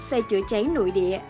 xe chữa chảy nội địa